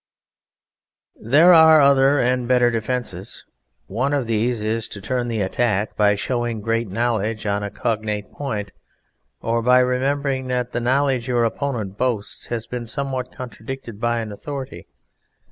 There are other and better defences. One of these is to turn the attack by showing great knowledge on a cognate point, or by remembering that the knowledge your opponent boasts has been somewhere contradicted by an authority.